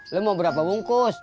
lo mau berapa bungkus